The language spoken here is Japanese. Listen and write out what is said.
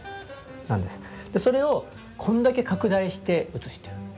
それをこんだけ拡大して写してる。